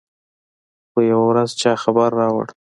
خو يوه ورځ چا خبر راوړ.